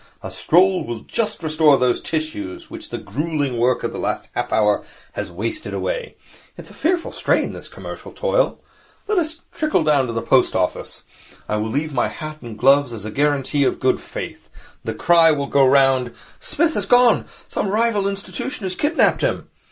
A stroll will just restore those tissues which the gruelling work of the last half hour has wasted away. It is a fearful strain, this commercial toil. Let us trickle towards the post office. I will leave my hat and gloves as a guarantee of good faith. The cry will go round, "Psmith has gone! Some rival institution has kidnapped him!"